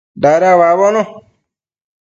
Dada uabono